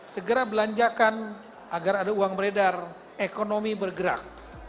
segera belanjakan agar ada uang beredar ekonomi bergerak